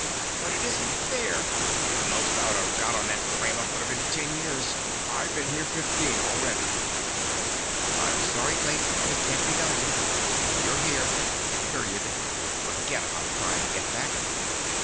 "But it isn't fair! The most I'd have got on that frame up would've been ten years. I've been here fifteen already!" "I'm sorry, Clayton. It can't be done. You're here. Period. Forget about trying to get back.